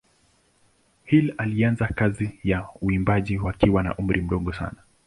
Hill alianza kazi za uimbaji wakiwa na umri mdogo sana.